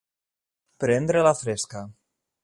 Prendre la fresca.